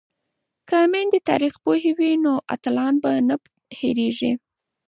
که میندې تاریخ پوهې وي نو اتلان به نه هیریږي.